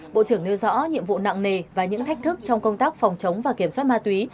bộ trưởng nêu rõ nhiệm vụ nặng nề và những thách thức trong công tác phòng chống và kiểm soát ma túy